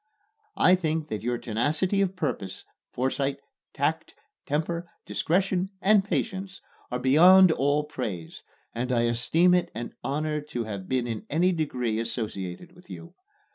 I think that your tenacity of purpose, foresight, tact, temper, discretion and patience, are beyond all praise, and I esteem it an honor to have been in any degree associated with you.